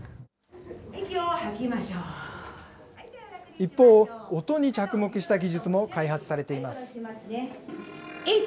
一方、音に着目した技術も開発されています。